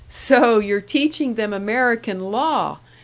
"So you're teaching them American law!